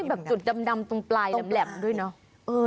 มันมีแบบจุดดำตรงปลายด้วยเนอะ